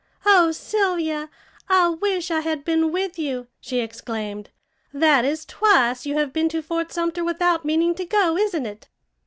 "Oh, Sylvia, I wish I had been with you," she exclaimed. "That is twice you have been to Fort Sumter without meaning to go, isn't it?"